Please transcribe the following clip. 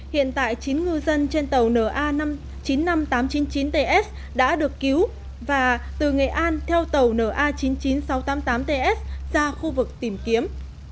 hiện tại chín ngư dân trên tàu na chín mươi năm nghìn tám trăm chín mươi chín ts đã được cứu và từ nghệ an theo tàu na chín mươi chín nghìn sáu trăm tám mươi tám ts ra khu vực tìm kiếm